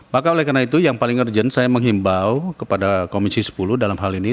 maka oleh karena itu yang paling urgent saya menghimbau kepada komisi sepuluh dalam hal ini